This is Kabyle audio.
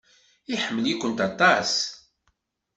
Iḥemmel-ikent aṭas.